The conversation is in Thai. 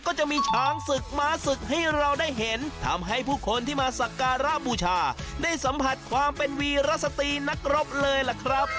ก็จะมีช้างศึกม้าศึกให้เราได้เห็นทำให้ผู้คนที่มาสักการะบูชาได้สัมผัสความเป็นวีรสตรีนักรบเลยล่ะครับ